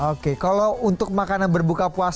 oke kalau untuk makanan berbuka puasa